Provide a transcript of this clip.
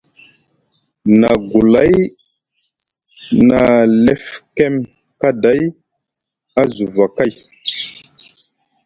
Na gulay na lefkem kaaday a juva gay.